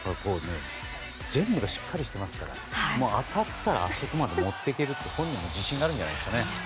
全部しっかりしていますから当たったらあそこまで持っていけるって本人も自信があるんじゃないですかね。